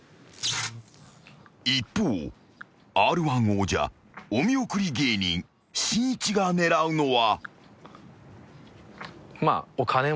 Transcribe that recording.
［一方Ｒ−１王者お見送り芸人しんいちが狙うのは］